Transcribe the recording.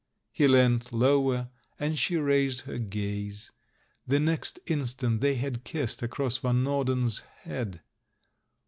He leant lower, and she raised her gaze; the next instant they had kissed across Van Norden's head.